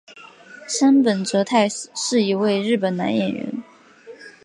杉本哲太是一位日本男演员。